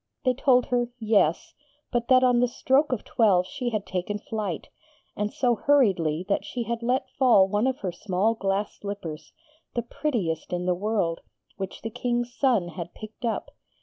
They told her yes; but that on the stroke of twelve she had taken flight, and so hurriedly that she had let fall one of her small glass slippers, the prettiest in the world, which the King's son had picked up.